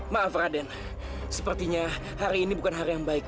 maaf raden sepertinya hari ini bukan hari yang baik